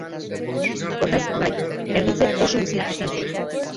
Hortaz, bai, erditze oso luzea izan zen.